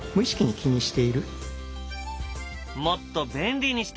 「もっと便利にしたい」。